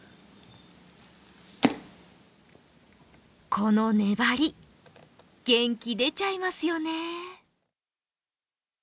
この粘り、元気出ちゃいますよね。